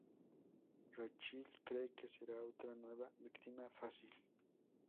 Rachael cree que será otra nueva víctima fácil.